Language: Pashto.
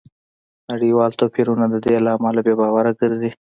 نړیوال توپیرونه د دې له امله بې باوره ګرځي